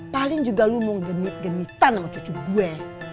paling juga lu mau genit genitan sama cucu gue